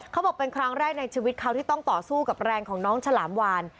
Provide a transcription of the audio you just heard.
เขาบอกเป็นครั้งแรกในชีวิตเขาที่ต้องต่อสู้กับแรงของน้องฉลามวาน